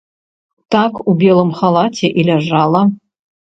Так у белым халаце і ляжала.